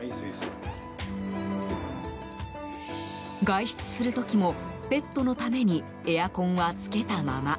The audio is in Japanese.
外出する時も、ペットのためにエアコンはつけたまま。